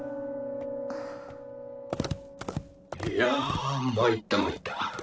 いや参った参った。